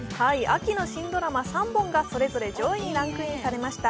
秋の新ドラマ３本がそれぞれ上位にランクインしました。